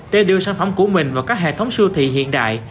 để đưa sản phẩm của mình vào các hệ thống siêu thị hiện đại